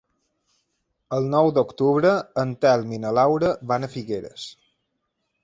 El nou d'octubre en Telm i na Laura van a Figueres.